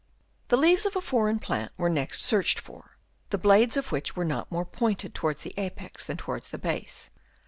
The leaves of a foreign plant were next searched for, the blades of which were not more pointed towards the apex than towards the base.